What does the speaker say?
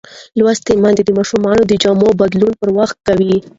لوستې میندې د ماشومانو د جامو بدلون پر وخت کوي.